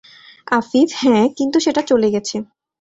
আফিফ: হ্যাঁ, কিন্তু সেটা চলে গেছে।